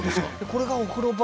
これがお風呂場？